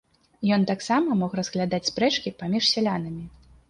Ён таксама мог разглядаць спрэчкі паміж сялянамі.